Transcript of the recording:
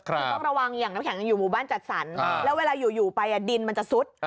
ต้องระวังอย่างอยู่บ้านจัดสรรแล้วเวลาอยู่ไปดินมันจะซุด